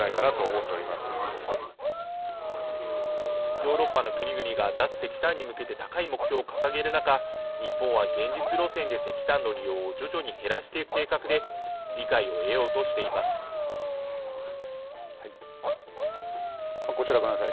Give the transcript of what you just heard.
ヨーロッパの国々が脱石炭に向けて高い目標を掲げる中、日本は現実路線で石炭の利用を徐々に減らしていく計画で理解を得こちら、ご覧ください。